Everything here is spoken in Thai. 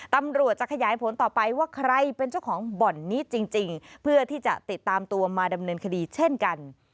ตำรวจจะขยายผลต่อไปว่าใครเป็นเจ้าของบ่อนนี้จริงเพื่อที่จะติดตามตัวมาดำเนินคดีเช่นกัน